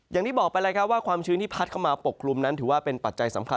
อย่างที่บอกไปแล้วครับว่าความชื้นที่พัดเข้ามาปกคลุมนั้นถือว่าเป็นปัจจัยสำคัญ